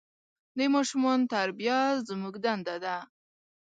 د ماشومان تربیه زموږ دنده ده.